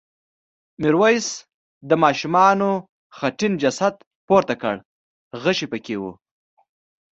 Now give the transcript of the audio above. میرويس د ماشوم خټین جسد پورته کړ غشی پکې و.